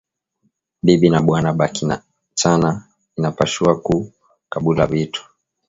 Bibi na bwana ba ki achana inapashua ku kabula vitu